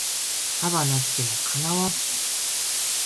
束なっても叶わん